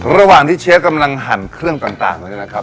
ระหว่างที่เชฟกำลังหั่นเครื่องต่างไว้เนี่ยนะครับ